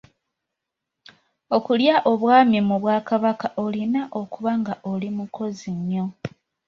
Okulya Obwami mu Bwakabaka olina okuba nga oli mukozi nnyo.